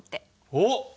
おっ！